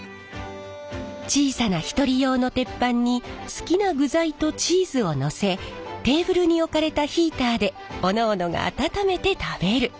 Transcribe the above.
小さな一人用の鉄板に好きな具材とチーズをのせテーブルに置かれたヒーターでおのおのが温めて食べる。